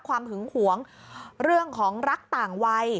หึงหวงเรื่องของรักต่างวัย